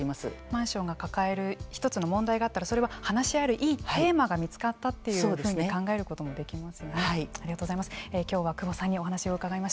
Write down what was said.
マンションが抱える１つの問題があったらそれは話し合えるいいテーマが見つかったというふうにはい。